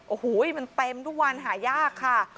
โอ้โหมันเต็มทุกวันหายากค่ะ